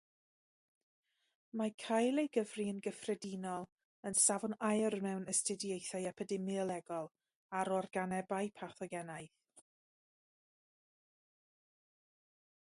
Mae cael ei gyfri'n gyffredinol yn safon aur mewn astudiaethau epidemiolegol ar organebau pathogenaidd.